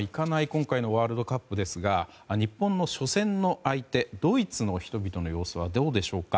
今回のワールドカップですが日本の初戦の相手、ドイツの人々の様子はどうでしょうか。